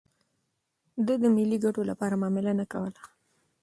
ده د ملي ګټو لپاره معامله نه کوله.